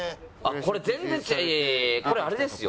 これあれですよ。